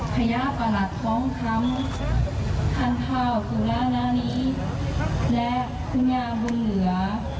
พญาประหลักธรรมทำท่านพาวสุรนารีและคุณย่าบุญเหลือ